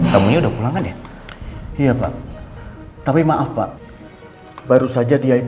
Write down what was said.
tahanan yang beramai